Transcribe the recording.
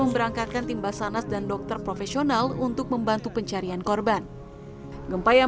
mengurangkankan timbasanas dan dokter profesional untuk membantu pencarian korban gempa yang